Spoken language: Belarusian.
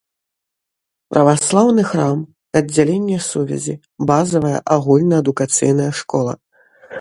Праваслаўны храм, аддзяленне сувязі, базавая агульнаадукацыйная школа.